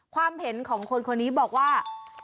ความเห็นของคนคนนี้บอกว่า